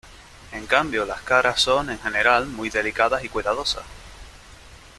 En cambio, las caras son en general muy delicadas y cuidadosas.